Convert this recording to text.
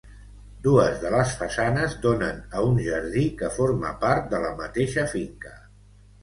Dues de les façanes donen a un jardí que forma part de la mateixa finca.